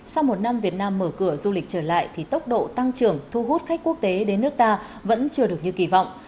sau một năm việt nam mở cửa du lịch trở lại thì tốc độ tăng trưởng thu hút khách quốc tế đến nước ta vẫn chưa được như kỳ vọng